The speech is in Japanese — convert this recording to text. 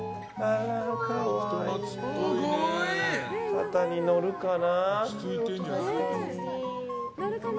肩に乗るかな？